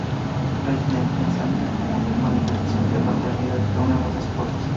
Presidente Azaña, como fiel manifestación de fraternidad que une a los dos pueblos.